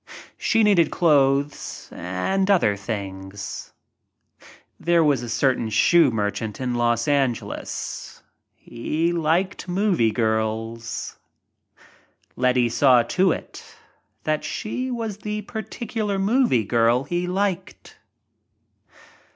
She needed clothes and other thingrs*. There was a certain shoe merchant in Los Angeles. He liked movie girls. Letty saw to it that she was the particular movie girl he liked.